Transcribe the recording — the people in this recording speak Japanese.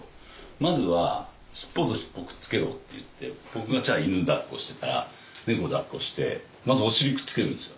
「まずは尻尾と尻尾くっつけろ」って言って僕がじゃあ犬抱っこしてたら猫抱っこしてまずお尻くっつけるんですよ。